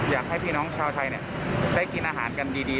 อยากให้พี่น้องชาวไทยได้กินอาหารกันดี